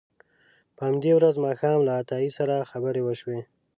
په همدې ورځ ماښام له عطایي سره خبرې وشوې.